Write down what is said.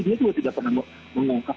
dia juga tidak pernah mengungkap